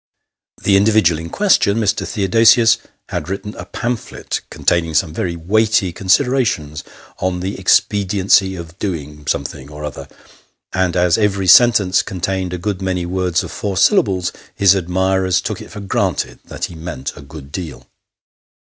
The individual in question, Mr. Theodosius, had written a pamphlet containing some very weighty considerations on the expediency of doing something or other ; and as every sentence contained a good many words of four syllables, his admirers took it for granted that he meant a good deal.